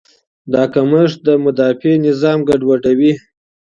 دا کمښت د مدافع نظام ګډوډوي.